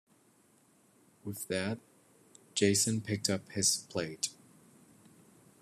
With that, Jason picked up his plate